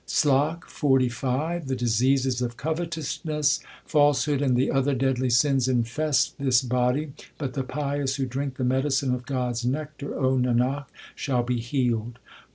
SLOK XLV The diseases of covetousness, falsehood, and the other deadly sins infest this body ; But the pious who drink the medicine of God s nectar, O Nanak, shall be healed.